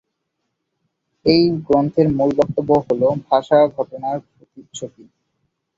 এ-গ্রন্থের মূল বক্তব্য হলো: ভাষা ঘটনার প্রতিচ্ছবি।